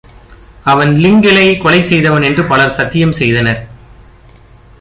அவன் Lingleஐ கொலை செய்தவன் என்று பலர் சத்தியம் செய்தனர்.